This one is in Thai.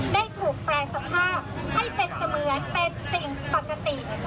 ได้ถูกแปรสภาพให้เป็นเสมือนเป็นสิ่งปกติ